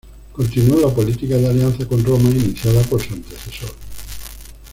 Continuó la política de alianza con Roma iniciada por su antecesor.